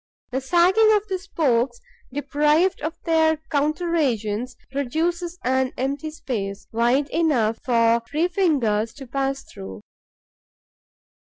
The sagging of the spokes, deprived of their counter agents, produces an empty space, wide enough for three fingers to pass through.